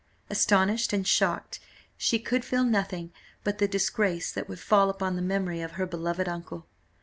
Astonished and, shocked, she could feel nothing but the disgrace that would fall upon the memory of her beloved uncle.